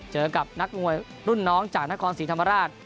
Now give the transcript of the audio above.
เจอกับนักมวยรุ่นน้องจากนครศรีธรรมราช